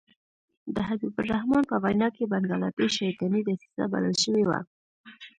د حبیب الرحمن په وینا کې بنګله دېش شیطاني دسیسه بلل شوې وه.